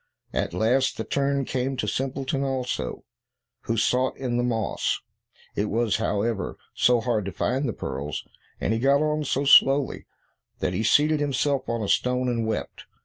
At last the turn came to Simpleton also, who sought in the moss. It was, however, so hard to find the pearls, and he got on so slowly, that he seated himself on a stone, and wept.